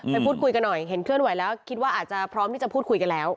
พูดคุยกันหน่อยเห็นเคลื่อนไหวแล้วคิดว่าอาจจะพร้อมที่จะพูดคุยกันแล้ว